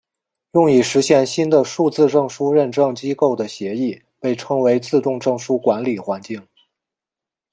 用以实现新的数字证书认证机构的协议被称为自动证书管理环境。